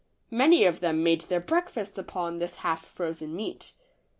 Many of them made their breakfast upon this half frozen meat.